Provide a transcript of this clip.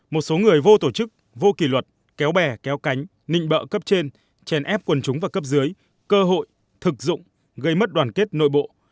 một số người vô tổ chức vô kỷ luật kéo bè kéo cánh nịnh bợ cấp trên chèn ép quần chúng và cấp dưới cơ hội thực dụng gây mất đoàn kết nội bộ